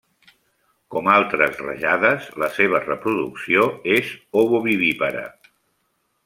Com altres rajades, la seva reproducció és ovovivípara.